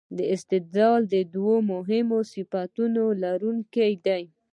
دا استدلال د دوو مهمو صفتونو لرونکی دی.